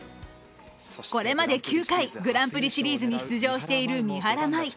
これまで９回、グランプリシリーズに出場している三原舞依。